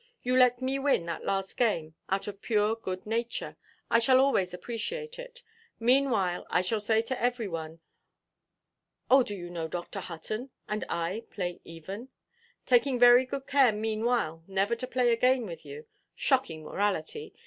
You let me win that last game out of pure good nature. I shall always appreciate it. Meanwhile I shall say to every one—ʼOh, do you know, Dr. Hutton and I play even?' taking very good care meanwhile never to play again with you. Shocking morality!